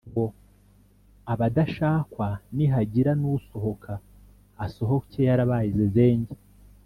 ngo abadashakwa nihagira n’ usohoka asohoke yarabaye zezenge